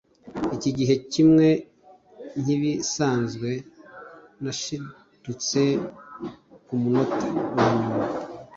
iki gihe, kimwe nkibisanzwe, nashidutse kumunota wanyuma